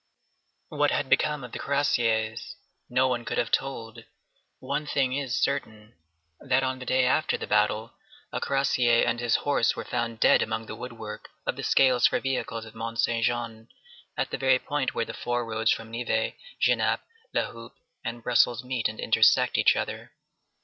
What had become of the cuirassiers? No one could have told. One thing is certain, that on the day after the battle, a cuirassier and his horse were found dead among the woodwork of the scales for vehicles at Mont Saint Jean, at the very point where the four roads from Nivelles, Genappe, La Hulpe, and Brussels meet and intersect each other.